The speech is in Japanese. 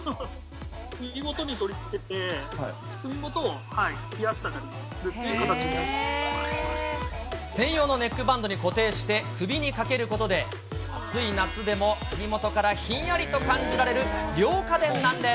首元に取り付けて、首元を冷専用のネックバンドに固定して首に掛けることで、暑い夏でも、首元からひんやりと感じられる涼家電なんです。